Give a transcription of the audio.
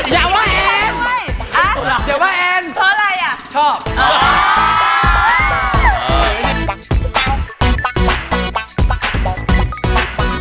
อย่าว่าแอร์